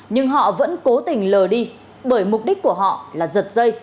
nhưng họ vẫn cố tình lờ đi bởi mục đích của họ là giật dây